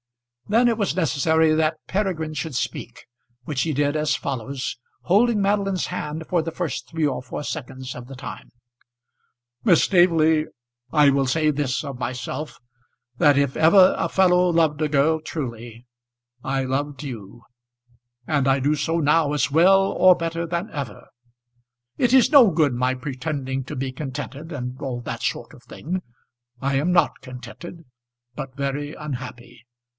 Then it was necessary that Peregrine should speak, which he did as follows, holding Madeline's hand for the first three or four seconds of the time: "Miss Staveley, I will say this of myself, that if ever a fellow loved a girl truly, I loved you; and I do so now as well or better than ever. It is no good my pretending to be contented, and all that sort of thing. I am not contented, but very unhappy.